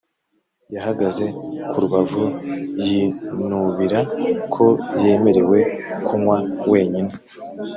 yahagaze ku rubavu yinubira ko yemerewe kunywa wenyine.